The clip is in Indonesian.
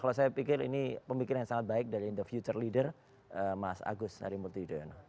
kalau saya pikir ini pemikiran yang sangat baik dari the future leader mas agus harimurti yudhoyono